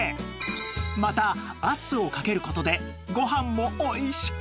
また圧をかける事でご飯も美味しく炊けるんです